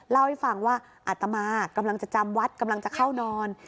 เล่าให้ฟังว่าอัตมากำลังจะจำวัดกำลังจะเข้านอน